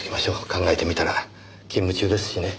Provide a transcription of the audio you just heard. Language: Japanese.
考えてみたら勤務中ですしね。